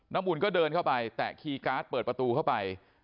อุ่นก็เดินเข้าไปแตะคีย์การ์ดเปิดประตูเข้าไป